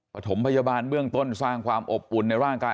ปฐมพยาบาลเบื้องต้นสร้างความอบอุ่นในร่างกาย